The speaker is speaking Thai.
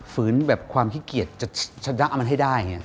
ฝืนแบบความขี้เกียจจะชะดั๊มันให้ได้